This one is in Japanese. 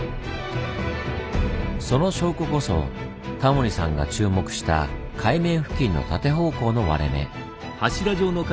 その証拠こそタモリさんが注目した海面付近の縦方向の割れ目。